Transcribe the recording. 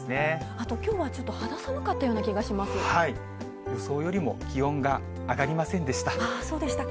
あときょうはちょっと肌寒か予想よりも気温が上がりませそうでしたか。